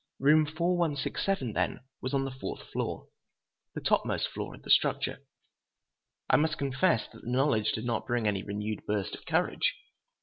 Room 4167, then, was on the fourth floor—the topmost floor of the structure. I must confess that the knowledge did not bring any renewed burst of courage!